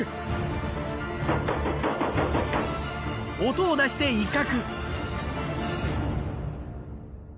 音を出して威嚇。